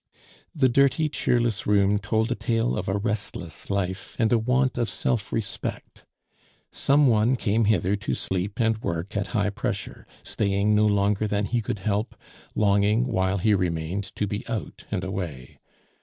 The dirty, cheerless room told a tale of a restless life and a want of self respect; some one came hither to sleep and work at high pressure, staying no longer than he could help, longing, while he remained, to be out and away.